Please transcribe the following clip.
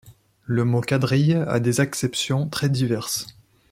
Le mot quadrille a des acceptions très diverses.